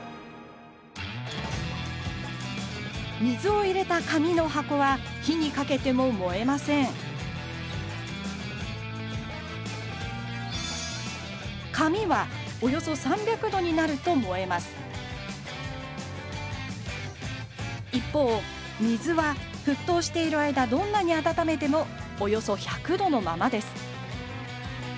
水を入れた紙の箱は火にかけても燃えません紙はおよそ３００度になると燃えます一方水は沸騰している間どんなに温めてもおよそ１００度のままです